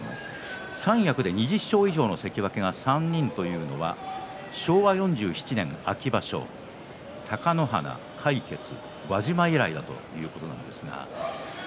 三役で２０勝以上の関脇が３人というのは昭和４７年秋場所貴ノ花、魁傑、輪島以来だということですね。